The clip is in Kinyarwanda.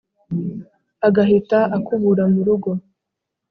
agahita akubura mu rugo